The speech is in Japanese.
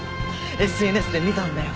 ＳＮＳで見たんだよ。